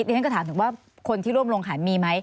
ฉันก็ถามถึงว่าคนที่ร่วมลงขันมีไหม